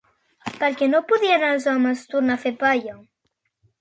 Per què no podien els homes tornar a fer la palla?